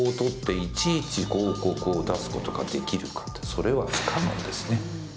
それは不可能ですね。